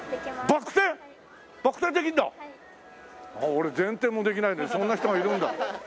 俺前転もできないのにそんな人がいるんだ。